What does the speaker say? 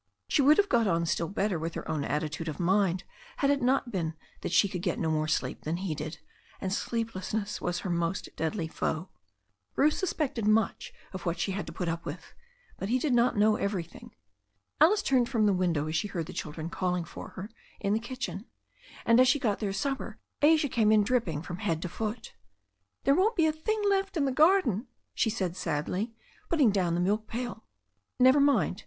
She would have got on still better with her own attitude of mind had it not been that she could get no more sleep than he did, and sleeplessness was her most deadly foe. Bruce suspected much of what she had to put up with, but he did not know everything. Alice turned from the window as she heard the children calling for her in the kitchen, and as she got their supper Asia came in dripping from head to foot. "There won't be a thing left in the garden," she said sadly, putting down the milk pail. "Never mind.